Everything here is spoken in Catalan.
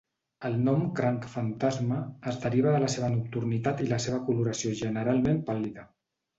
El nom "cranc fantasma" es deriva de la seva nocturnitat i la seva coloració generalment pàl·lida.